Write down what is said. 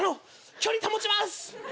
距離保ちます！